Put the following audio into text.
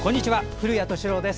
古谷敏郎です。